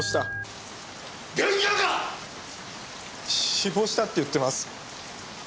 死亡したって言ってます。